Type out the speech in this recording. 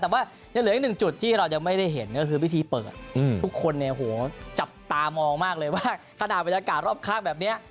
แต่ว่ายังเหลืออีกหนึ่งจุดที่เรายังไม่ได้เห็นก็คือพิธีเปิดทุกคนเนี่ยโหจับตามองมากเลยว่าขนาดบรรยากาศรอบข้างแบบนี้